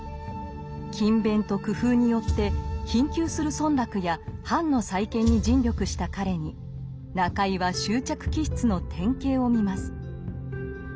「勤勉」と「工夫」によって貧窮する村落や藩の再建に尽力した彼に中井は執着気質の典型を見ます。